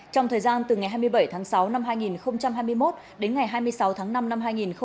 trong thời gian từ ngày hai mươi bảy tháng sáu năm hai nghìn hai mươi một đến ngày hai mươi sáu tháng năm năm hai nghìn hai mươi ba